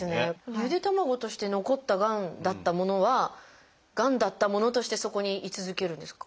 ゆで卵として残ったがんだったものはがんだったものとしてそこに居続けるんですか？